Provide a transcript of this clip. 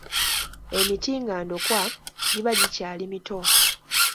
"Emiti nga ndokwa, giba gikyali mito. "